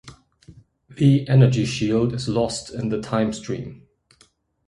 The energy shield is lost in the time-stream.